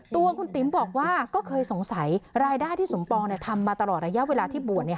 ตัวคุณติ๋มบอกว่าก็เคยสงสัยรายได้ที่สมปองทำมาตลอดระยะเวลาที่บวช